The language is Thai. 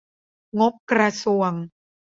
งบกระทรวง